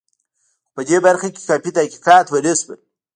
خو په دې برخه کې کافي تحقیقات ونه شول.